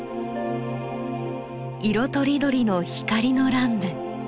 色とりどりの光の乱舞。